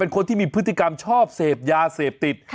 คนที่มีพฤติกรรมชอบเสพยาเสพติด